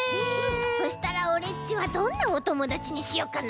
そしたらオレっちはどんなおともだちにしよっかな？